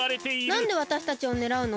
なんでわたしたちをねらうの？